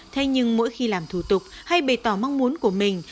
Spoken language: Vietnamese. thế nhưng mỗi khi làm thủ tục hay bày tỏ mong muốn của mình